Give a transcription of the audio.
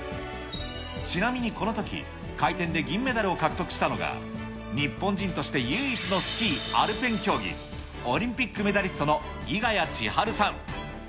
ちなみにこのとき、回転で銀メダルを獲得したのが、日本人として唯一のスキーアルペン競技、オリンピックメダリストの猪谷千春さん。